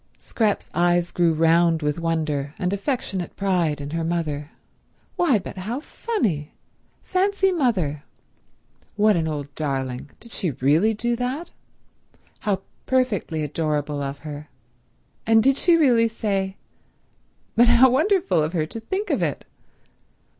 Scrap's eyes grew round with wonder and affectionate pride in her mother. Why, but how funny— fancy mother. What an old darling. Did she really do that? How perfectly adorable of her. And did she really say—but how wonderful of her to think of it.